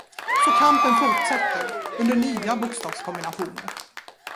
Så kampen fortsätter, under nya bokstavskombinationer.